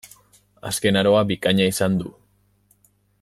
Azken aroa bikaina izan du.